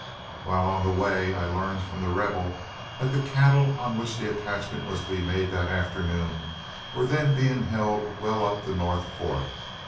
While on the way, I learned from The Rebel that the cattle on which the attachment was to be made that afternoon were then being held well up the North Fork.